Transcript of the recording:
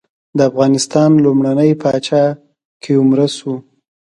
د افغانستان لومړنی پاچا کيومرث وه.